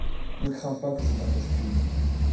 Ne crains pas que je t'importune.